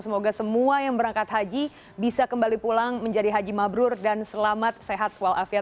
semoga semua yang berangkat haji bisa kembali pulang menjadi haji mabrur dan selamat sehat walafiat